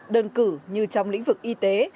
đơn cử như trong lĩnh vực y tế